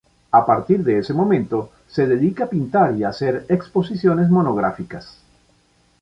A partir de ese momento, se dedica a pintar y a hacer exposiciones monográficas.